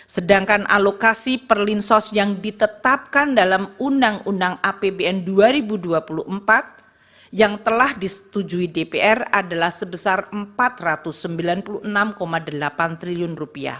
sedangkan alokasi perlinsos yang ditetapkan dalam undang undang apbn dua ribu dua puluh empat yang telah disetujui dpr adalah sebesar rp empat ratus sembilan puluh enam delapan triliun